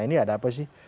ini ada apa sih